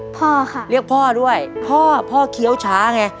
พ่อค่ะเรียกพ่อด้วยพ่อพ่อเคี้ยวช้าไง